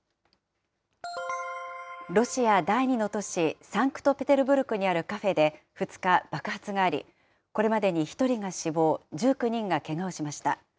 ロシア第２の都市、サンクトペテルブルクにあるカフェで２日、爆発があり、これまでに１人が死亡、１９人がけがをしました。